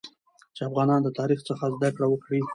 چې افغانان د تاریخ څخه زده کړه وکړي